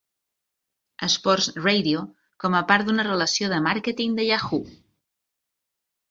Sports Radio com a part d'una relació de màrqueting de Yahoo!.